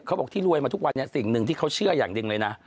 บอกที่รวยมาทุกวันนี้สิ่งหนึ่งที่เขาเชื่ออย่างหนึ่งเลยนะ